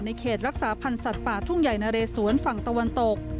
เขตรักษาพันธ์สัตว์ป่าทุ่งใหญ่นะเรสวนฝั่งตะวันตก